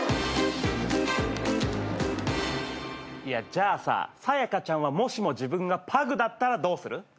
じゃあさサヤカちゃんはもしも自分がパグだったらどうする？